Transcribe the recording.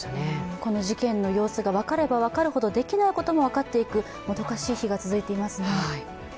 この事件の様子が分かれば分かるほど、できないことも分かっていく、もどかしい日が続いていますね。